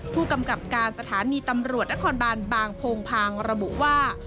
ผู้กำกับการสถานีตำรวจนครบานบางโพงพางระบุว่า